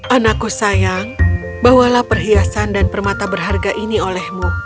anakku sayang bawalah perhiasan dan permata berharga ini olehmu